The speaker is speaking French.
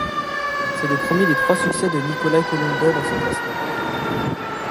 C'est le premier des trois succès de Nikolaï Kolumbet dans ce classement.